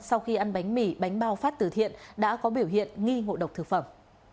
sau khi ăn bánh mì bánh bao phát từ thiện đã có biểu hiện nghi ngộ độc thực phẩm